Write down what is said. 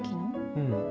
うん。